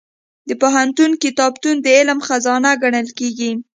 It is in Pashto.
د پوهنتون کتابتون د علم خزانه ګڼل کېږي.